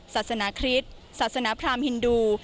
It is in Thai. ศาสนาคริสต์ศาสนพรามฮินดู